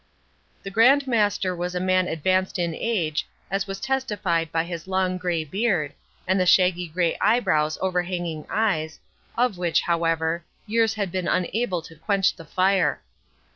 The Grand Master was a man advanced in age, as was testified by his long grey beard, and the shaggy grey eyebrows overhanging eyes, of which, however, years had been unable to quench the fire.